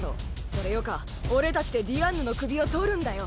それよか俺たちでディアンヌの首を取るんだよ。